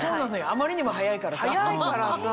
あまりにも早いからさ。